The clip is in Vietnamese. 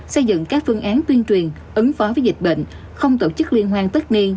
xây dựng các phương án tuyên truyền ứng phó với dịch bệnh không tổ chức liên hoan tất niên